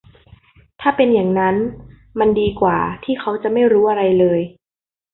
ถ้าเป็นอย่างนั้น มันดีกว่าที่เขาจะไม่รู้อะไรเลย